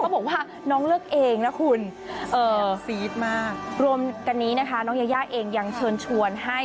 บอกว่าน้องเลือกเองนะคุณฟีดมากรวมกันนี้นะคะน้องยายาเองยังเชิญชวนให้